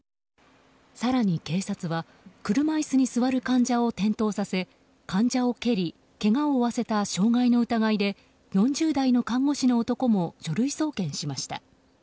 更に、警察は車椅子に座る患者を転倒させ患者を蹴りけがを負わせた傷害の疑いで４０代の看護師の男も書類送検しました。